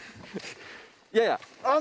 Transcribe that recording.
いやいや。